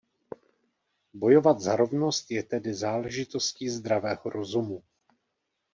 Bojovat za rovnost je tedy záležitostí zdravého rozumu.